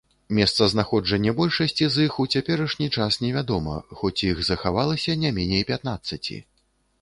Месцазнаходжанне большасці з іх у цяперашні час невядома, хоць іх захавалася не меней пятнаццаці.